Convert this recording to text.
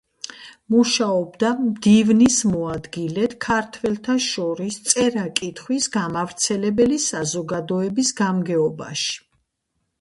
მუშაობდა მდივნის მოადგილედ ქართველთა შორის წერა-კითხვის გამავრცელებელი საზოგადოების გამგეობაში.